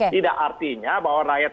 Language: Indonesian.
tidak artinya bahwa rakyat